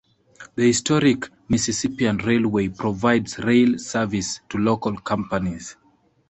The historic Mississippian Railway provides rail service to local companies.